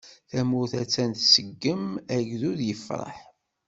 Tamurt attan tseggem, agdud yefreḥ.